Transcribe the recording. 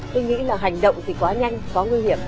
tôi nghĩ là hành động thì quá nhanh quá nguy hiểm